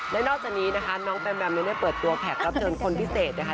และนอกจากนี้นะคะน้องแบมแมมยังได้เปิดตัวแขกรับเชิญคนพิเศษนะคะ